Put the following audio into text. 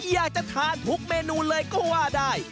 อยากจะทานทุกเมนูเลยก็ว่าได้